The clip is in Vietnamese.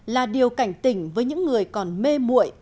là điều cảnh tỉnh với những người còn mê mụi